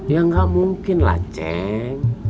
ya nggak mungkin lah ceng